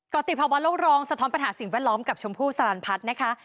ติภาวะโลกรองสะท้อนปัญหาสิ่งแวดล้อมกับชมพู่สลันพัฒน์นะคะ